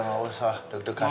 tidak usah deg degan